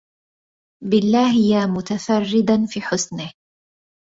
بالله يا متفردا في حسنه